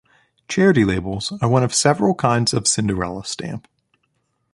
Charity labels are one of several kinds of cinderella stamp.